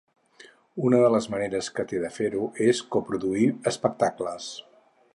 Una de les maneres que té de fer-ho és coproduir espectacles.